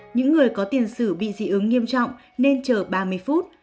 những người có tiền sử bị dị ứng nghiêm trọng nên chờ ba mươi phút